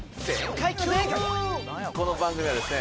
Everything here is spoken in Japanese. この番組はですね